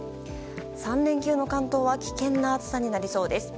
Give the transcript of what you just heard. ３連休の関東は危険な暑さになりそうです。